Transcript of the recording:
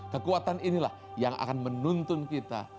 kekuatan inilah yang akan menuntun kita